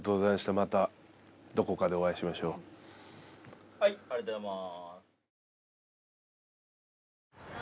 またどこかでお会いしましょうはいありがとうございます